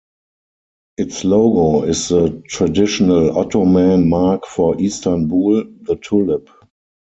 Its logo is the traditional Ottoman mark for Istanbul, the tulip.